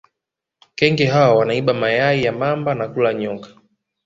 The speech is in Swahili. kenge hawa wanaiba mayai ya mamba na kula nyoka